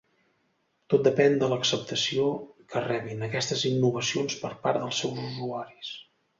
Tot depèn de l’acceptació que rebin aquestes innovacions per part dels seus usuaris.